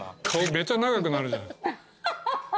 めちゃ長くなるじゃん。